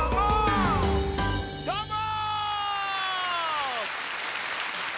どーも！